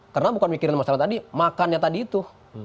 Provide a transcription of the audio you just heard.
karena bukan mikiran masalah tadi makannya tadi itu